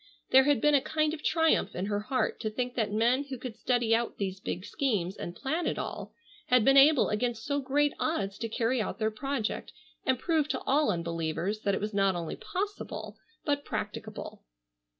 There had been a kind of triumph in her heart to think that men who could study out these big schemes and plan it all, had been able against so great odds to carry out their project and prove to all unbelievers that it was not only possible but practicable.